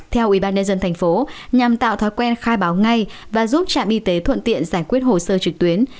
theo ubnd tp nhằm tạo thói quen khai báo ngay và giúp trạm y tế thuận tiện giải quyết hồ sơ trực tuyến